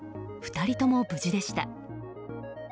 ２人とも無事でした。